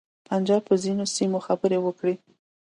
د پنجاب د ځینو سیمو خبرې وکړې.